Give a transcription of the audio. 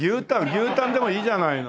牛たんでもいいじゃないの。